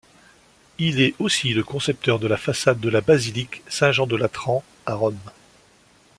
Il est aussi le concepteur de la façade de la basilique Saint-Jean-de-Latran, à Rome.